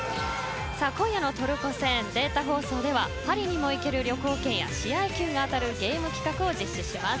今夜のトルコ戦データ放送ではパリにも行ける旅行券や試合球が当たるゲーム企画を実施します。